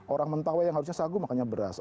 orang mentawa yang harusnya sagu makannya beras